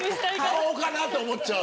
買おうかなと思っちゃう。